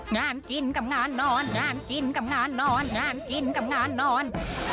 งานกินกับงานนอนงานกินกับงานนอนงานกินกับงานนอน